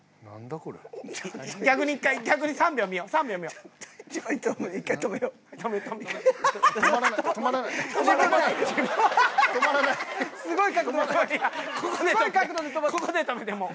ここで止めてもう。